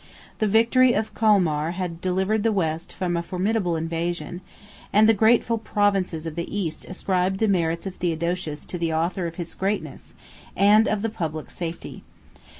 The victory of Colmar had delivered the West from a formidable invasion; and the grateful provinces of the East ascribed the merits of Theodosius to the author of his greatness, and of the public safety.